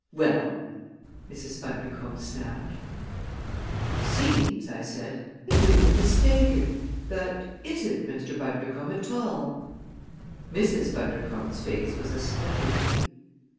"Well?" Mrs. Bundercombe snapped. "It seems," I said, "that we were mistaken. That isn't Mr. Bundercombe at all." Mrs. Bundercombe's face was a study.